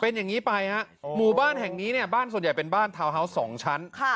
เป็นอย่างนี้ไปฮะหมู่บ้านแห่งนี้เนี่ยบ้านส่วนใหญ่เป็นบ้านทาวน์ฮาวส์๒ชั้น